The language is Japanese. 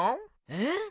えっ？